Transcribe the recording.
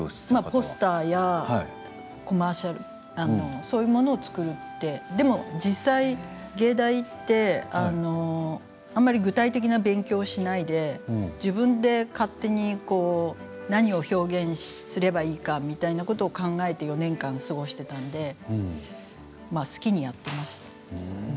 ポスターやコマーシャルそういうものを作ってでも実際、藝大に行ってあまり具体的な勉強しないで自分で勝手に何を表現すればいいかみたいなことを考えて４年間過ごしていたのでまあ好きにやっていました。